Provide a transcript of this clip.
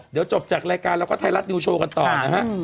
เดี๋ยวจบจากรายการแล้วก็ไทยรัฐนิวโชว์กันต่อนะฮะ